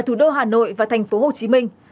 thủ đô hà nội và thành phố hồ chí minh